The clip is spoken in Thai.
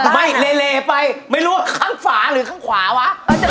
ไม่เลไปไม่รู้ว่าข้างฝาหรือข้างขวาวะ